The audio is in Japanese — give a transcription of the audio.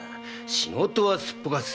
仕事はすっぽかす